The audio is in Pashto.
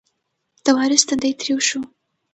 د وارث تندی تریو شو.